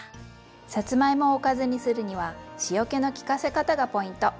さつまいもをおかずにするには塩気の利かせ方がポイント。